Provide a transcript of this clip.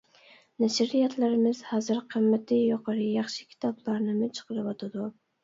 نەشرىياتلىرىمىز ھازىر قىممىتى يۇقىرى، ياخشى كىتابلارنىمۇ چىقىرىۋاتىدۇ.